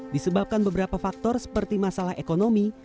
disebabkan beberapa faktor seperti masalah ekonomi